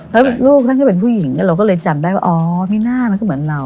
แล้วลูกท่านก็เป็นผู้หญิงเราก็เลยจำได้ว่าอ๋อมีหน้ามันก็เหมือนเรา